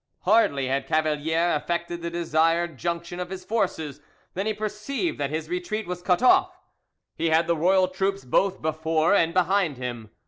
Hardly had Cavalier effected the desired junction of his forces than he perceived that his retreat was cut off. He had the royal troops both before and behind him.